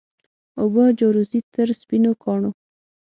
اوبه جاروزي تر سپینو کاڼو